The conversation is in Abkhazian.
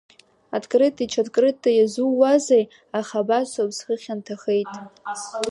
Открыты-чаткрыты иазууазеи, аха абасоуп, схы хьанҭахеит.